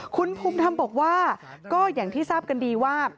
คุณภูมิธรรมบอกว่าก็อย่างที่ทราบกันดีว่า